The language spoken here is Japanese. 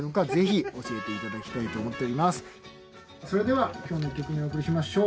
それでは今日の１曲目お送りしましょう。